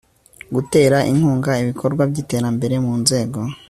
gutera inkunga ibikorwa by iterambere mu nzego